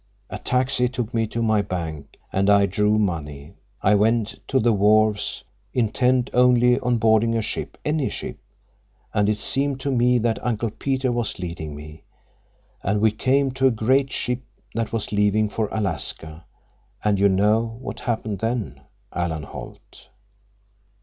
A taxi took me to my bank, and I drew money. I went to the wharves, intent only on boarding a ship, any ship, and it seemed to me that Uncle Peter was leading me; and we came to a great ship that was leaving for Alaska—and you know—what happened then—Alan Holt."